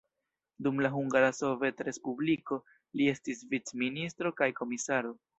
Dum la Hungara Sovetrespubliko li estis vicministro kaj komisaro.